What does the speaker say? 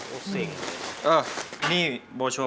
โอ้โหโอ้โห